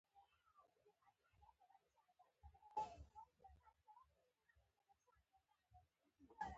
دوی له طالبانو سره بنسټیزه دښمني نه لري.